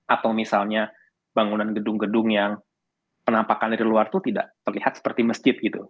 atau misalnya bangunan gedung gedung yang penampakan dari luar itu tidak terlihat seperti masjid gitu